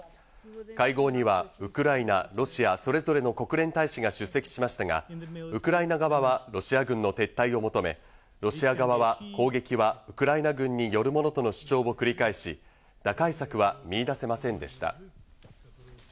会合にはウクライナ、ロシア、それぞれの国連大使が出席しましたが、ウクライナ側はロシア軍の撤退を求め、ロシア側は攻撃はウクライナ軍によるものとの主張を繰り返し、打開策は見いだせませんでした。